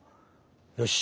よし！